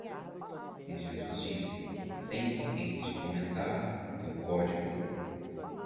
E Jesus disse, Sempre eis de comentar teu código.